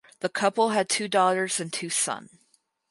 The couple had two daughters and two son.